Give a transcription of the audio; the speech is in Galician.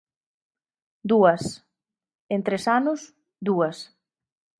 Dúas; en tres anos, dúas.